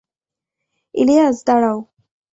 ইলিয়াস, দাঁড়াও!